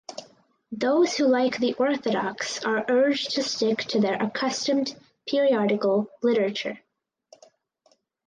Those who like the orthodox are urged to stick to their accustomed periodical literature.